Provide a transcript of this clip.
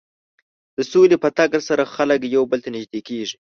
د سولې په راتګ سره خلک یو بل ته نژدې کېږي.